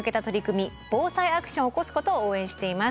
アクションを起こすことを応援しています。